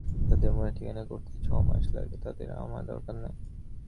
যাদের মনের ঠিকানা করতে ছ-মাস লাগে, তাদের আমার দরকার নাই।